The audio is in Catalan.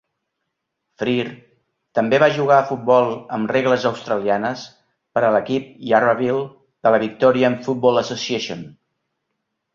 Freer també va jugar a futbol amb regles australianes per a l'equip Yarraville de la Victorian Football Association.